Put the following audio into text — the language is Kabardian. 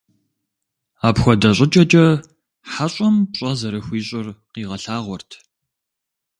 Апхуэдэ щӀыкӀэкӀэ хьэщӀэм пщӀэ зэрыхуищӀыр къигъэлъагъуэрт.